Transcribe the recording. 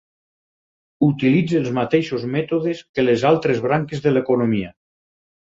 Utilitza els mateixos mètodes que les altres branques de l'economia.